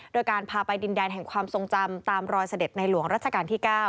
โดยการพาไปดินแดนแห่งความทรงจำตามรอยเสด็จในหลวงรัชกาลที่๙